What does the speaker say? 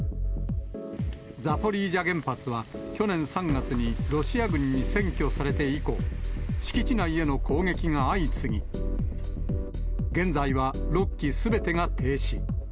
ザポリージャ原発は、去年３月にロシア軍に占拠されて以降、敷地内への攻撃が相次ぎ、現在は６基すべてが停止。